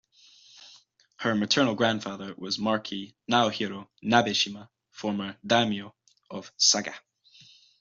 Her maternal grandfather was Marquis Naohiro Nabeshima, former "daimyo" of Saga.